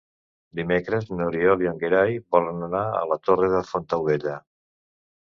Dimecres n'Oriol i en Gerai volen anar a la Torre de Fontaubella.